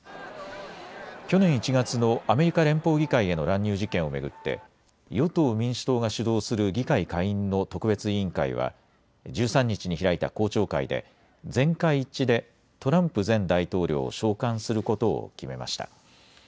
去年１月のアメリカ連邦議会への乱入事件を巡って与党・民主党が主導する議会下院の特別委員会は１３日に開いた公聴会で全会一致でトランプ前大統領を召喚することを決めました。